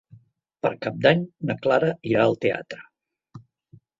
Per Cap d'Any na Clara irà al teatre.